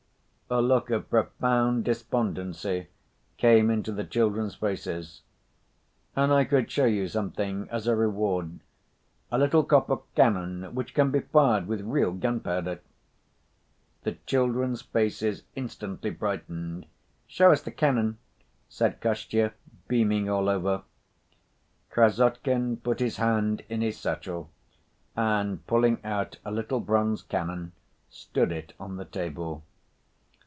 A look of profound despondency came into the children's faces. "And I could show you something as a reward, a little copper cannon which can be fired with real gunpowder." The children's faces instantly brightened. "Show us the cannon," said Kostya, beaming all over. Krassotkin put his hand in his satchel, and pulling out a little bronze cannon stood it on the table.